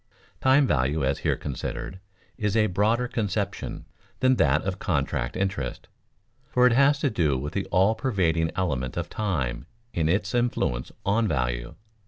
Time value, as here considered, is a broader conception than that of contract interest, for it has to do with the all pervading element of time in its influence on value.